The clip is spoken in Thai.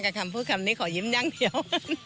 คำพูดคำนี้ขอยิ้มอย่างเดียว